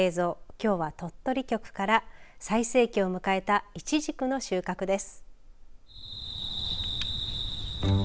きょうは鳥取局から最盛期を迎えたイチジクの収穫です。